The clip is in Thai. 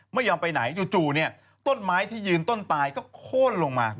ไม่ยอมไปไหนจู่ต้นไม้ที่ยืนต้นตายก็โค้นลงมา